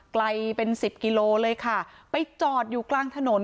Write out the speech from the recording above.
ไกลเป็นสิบกิโลเลยค่ะไปจอดอยู่กลางถนน